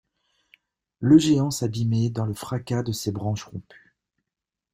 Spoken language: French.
Le géant s'abîmait dans le fracas de ses branches rompues.